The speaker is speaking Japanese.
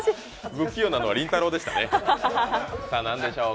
不器用なのはりんたろーでしたね。